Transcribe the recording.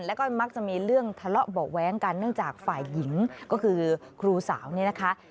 แล้วก็มักจะมีเรื่องทะเลาะเบาะแว้งกันเนื่องจากฝ่ายหญิงก็คือครูสาวเนี่ยนะคะ